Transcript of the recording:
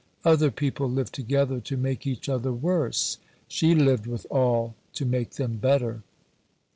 Other people live together to make each other worse: she lived with all to make them better.